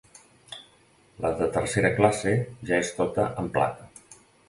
La de tercera classe ja és tota en plata.